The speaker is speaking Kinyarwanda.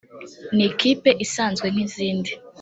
ni ikipe isanzwe nk’izindi